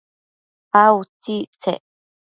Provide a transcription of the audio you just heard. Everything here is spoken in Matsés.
a utsictsec?